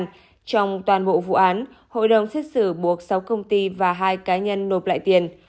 trong toàn bộ vụ án hội đồng xét xử buộc sáu công ty và hai cá nhân nộp lại tiền